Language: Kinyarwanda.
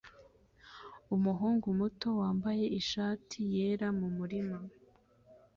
Umuhungu muto wambaye ishati yera mumurima